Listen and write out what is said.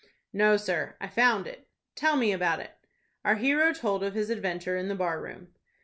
"No, sir, I found it." "Tell me about it." Our hero told of his adventure in the bar room.